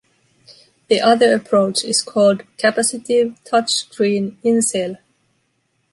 The other approach is called capacitive touch screen “in cell”.